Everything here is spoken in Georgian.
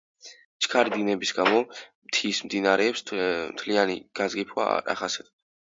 ჩქარი დინების გამო მთის მდინარეებს მთლიანი გაძგიფვა არ ახასიათებს.